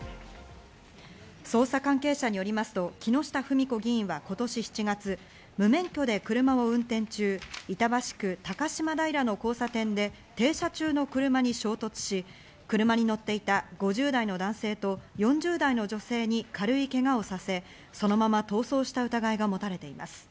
捜査関係者によりますと木下富美子議員は今年７月、無免許で車を運転中、板橋区高島平の交差点で、停車中の車に衝突し、車に乗っていた５０代の男性と４０代の女性に軽いけがをさせ、そのまま逃走した疑いが持たれています。